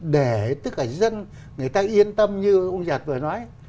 để tất cả dân người ta yên tâm như ông giạt vừa nói